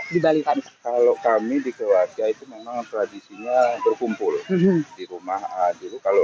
dibalikan kalau kami dikeluarga itu memang tradisinya berkumpul di rumah adil kalau